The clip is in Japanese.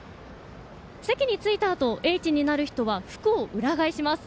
席に着いたあと、Ｈになる人は服を裏返します。